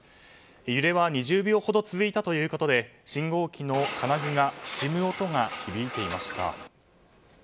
揺れは２０秒ほど続いたということで信号機の金具がきしむ音が響いていました。